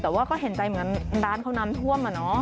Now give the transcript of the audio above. แต่ว่าก็เห็นใจเหมือนกับร้านเขานำฮวมอย่างน้อง